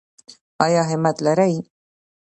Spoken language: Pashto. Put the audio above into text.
ایا همت لرئ؟